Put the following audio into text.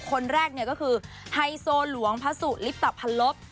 คนแรกก็คือไฮโซหลวงพะสุลิปตับพะลบ